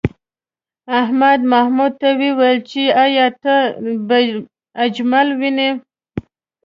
احمد محمود ته وویل چې ایا ته به اجمل ووینې؟